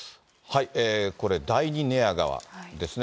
これ、第二寝屋川ですね。